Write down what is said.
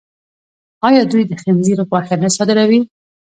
آیا دوی د خنزیر غوښه نه صادروي؟